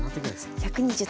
１２０点。